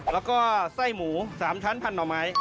แล้วก็ไส้หมู๓ชั้นพันหน่อไม้